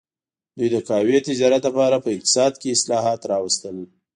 دوی د قهوې تجارت لپاره په اقتصاد کې اصلاحات راوستل.